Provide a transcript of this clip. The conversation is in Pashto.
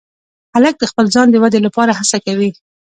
هلک د خپل ځان د ودې لپاره هڅه کوي.